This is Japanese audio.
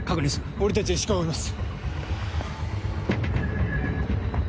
俺たちは石川を追います。